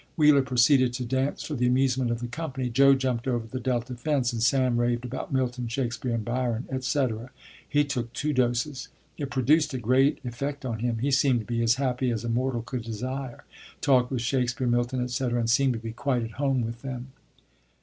Wheeler proceeded to dance for the amusement of the company, Jo jumped over the Delta fence, and Sam raved about Milton, Shakespeare, Byron, etc. He took two doses; it produced a great effect on him. He seemed to be as happy as a mortal could desire; talked with Shakespeare, Milton, etc., and seemed to be quite at home with them."